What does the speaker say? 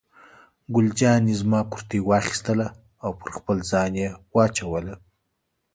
ګل جانې زما کورتۍ واخیستله او پر خپل ځان یې واچوله.